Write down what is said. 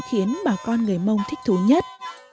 khiến bà con người mông thích thú nhất